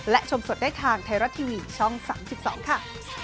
และชมสดได้ทางไทยรัฐทีวีช่อง๓๒ค่ะ